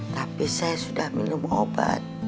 tapi saya sudah minum obat